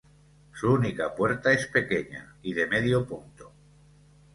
Su única puerta es pequeña y de medio punto.